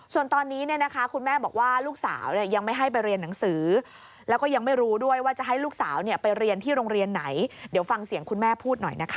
ส่วนตอนนี้เนี่ยนะคะคุณแม่บอกว่าลูกสาวยังไม่ให้ไปเรียนหนังสือแล้วก็ยังไม่รู้ด้วยว่าจะให้ลูกสาวไปเรียนที่โรงเรียนไหนเดี๋ยวฟังเสียงคุณแม่พูดหน่อยนะคะ